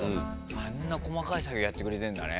あんな細かい作業やってくれてんだね。